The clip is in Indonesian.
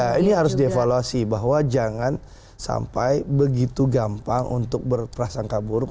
nah ini harus dievaluasi bahwa jangan sampai begitu gampang untuk berprasangka buruk